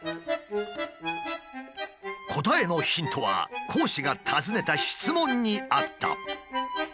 答えのヒントは講師が尋ねた質問にあった。